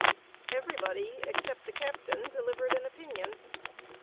Everybody, except the captain, delivered an opinion.